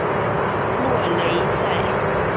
洛雷塞。